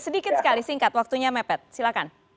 sedikit sekali singkat waktunya mepet silahkan